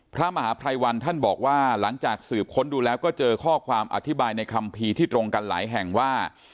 พระมหาภัยวันท่านบอกว่าหลังจากสืบค้นดูแล้วก็เจอข้อความอธิบายในคัมภีร์ที่ตรงกันหลายแห่งว่า